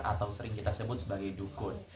atau sering kita sebut sebagai dukun